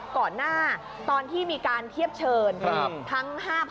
ก่อนหน้าตอนที่มีการเทียบเชิญทั้ง๕๐๐